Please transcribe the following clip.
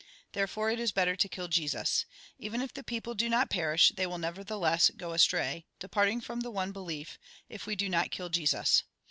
There fore it is better to kill Jesus. Even if the people do not perish, they will nevertheless go astray, departing from the one belief, if we do not kill Jesus.